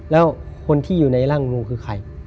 แล้วคนที่อยู่ในร่างลุงคือใคร